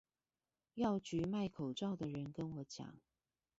藥局賣口罩的人跟我講